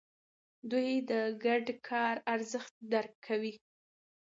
دوی د ګډ کار ارزښت درک کوي.